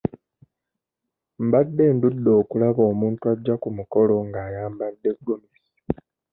Mbadde ndudde okulaba omuntu ajja ku mukolo ng'ayambadde gomesi.